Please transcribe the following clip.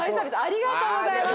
ありがとうございます！